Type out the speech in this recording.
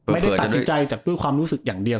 ไม่ได้ตัดสินใจจากด้วยความรู้สึกอย่างเดียว